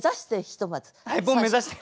はいボン目指して。